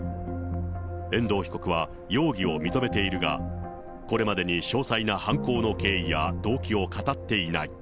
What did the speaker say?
遠藤被告は容疑を認めているが、これまでに詳細な犯行の経緯や動機を語っていない。